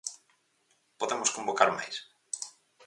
¿Podemos convocar máis?